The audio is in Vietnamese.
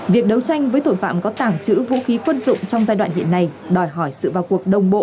việc đấu tranh với tội phạm có tàng trữ vũ khí quân dụng trong giai đoạn hiện nay đòi hỏi sự vào cuộc đồng bộ